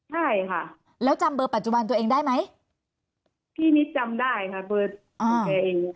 ใช่ค่ะแล้วจำเบอร์ปัจจุบันตัวเองได้ไหมพี่นิดจำได้ค่ะเบอร์ของแกเอง